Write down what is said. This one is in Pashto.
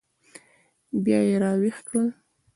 بیا یې راویښ کړل.